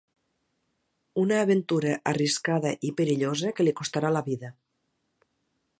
Una aventura arriscada i perillosa que li costarà la vida.